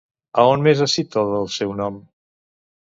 A on més es cita el seu nom?